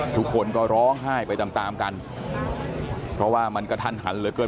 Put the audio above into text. ทุกคนก็ร้องไห้ไปตามตามกันเพราะว่ามันกระทันหันเหลือเกิน